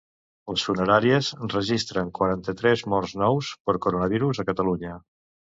Les funeràries registren quaranta-tres morts nous per coronavirus a Catalunya.